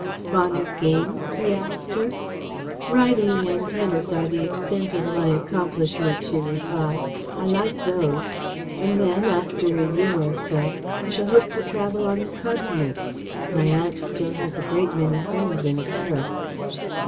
"Fond of games?" he asked her. "Riding and tennis are the extent of my accomplishments," she replied. "I like those. And then, after a year or so, I shall hope to travel on the Continent. My aunt still has a great many friends in Paris."